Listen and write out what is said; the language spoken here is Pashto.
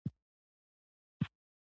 خو ځان مې ځکه در معرفي کړ.